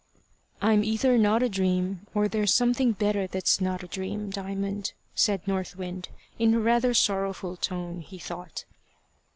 "I'm either not a dream, or there's something better that's not a dream, Diamond," said North Wind, in a rather sorrowful tone, he thought.